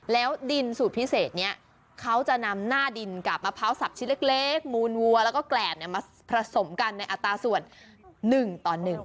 แล้วดินสูตรพิเศษนี้เขาจะนำหน้าดินกับมะพร้าวสับชิ้นเล็กมูลวัวแล้วก็แกรบมาผสมกันในอัตราส่วน๑ต่อ๑